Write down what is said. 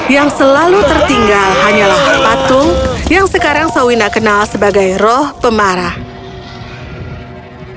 yang selalu tertinggal hanyalah patung yang sekarang sawina kenal sebagai roh pemarah